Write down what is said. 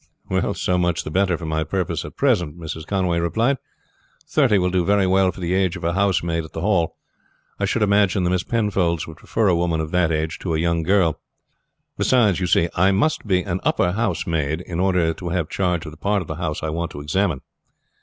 "So much the better for my purpose at present," Mrs. Conway replied. "Thirty will do very well for the age of a housemaid at the Hall. I should imagine the Miss Penfolds would prefer a woman of that age to a young girl; beside, you see, I must be an upper housemaid in order to have charge of the part of the house I want to examine.